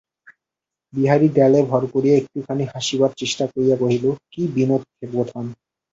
বিহারী দেয়ালে ভর করিয়া একটুখানি হাসিবার চেষ্টা করিয়া কহিল, কী, বিনোদ-বোঠান!